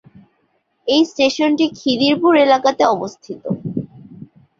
এই স্টেশনটি খিদিরপুর এলাকাতে অবস্থিত।